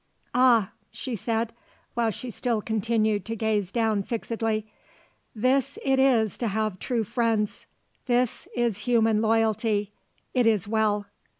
"Ah," she said, while she still continued to gaze down fixedly, "this it is to have true friends. This is human loyalty. It is well."